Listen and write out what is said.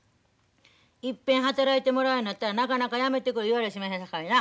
一遍働いてもらうようになったらなかなかやめてくれ言われしまへんさかいな。